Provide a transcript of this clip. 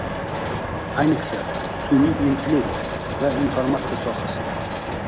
Ayniqsa, sunʼiy intellekt va informatika sohasida.